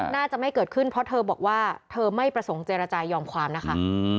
น่าจะไม่เกิดขึ้นเพราะเธอบอกว่าเธอไม่ประสงค์เจรจายอมความนะคะ